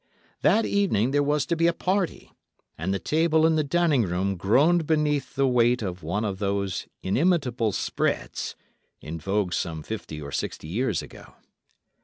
That evening there was to be a party, and the table in the dining room groaned beneath the weight of one of those inimitable 'spreads,' in vogue some fifty or sixty years ago.